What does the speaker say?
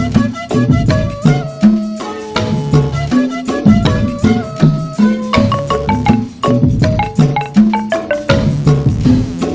jangan sampai nanti dicopet